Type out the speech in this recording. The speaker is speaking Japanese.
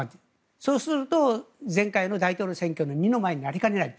そうすると、前回の大統領選挙の二の舞になりかねないと。